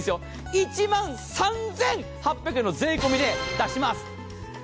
１万３８００円の税込みで出します。